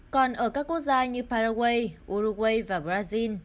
còn ở các quốc gia như paraguay uruguay và brazil